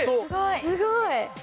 すごい。